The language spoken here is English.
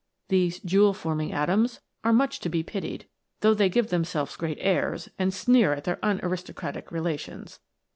These jewel forming atoms are much to be pitied, though they give themselves great airs, and sneer at their unaristocratic relations.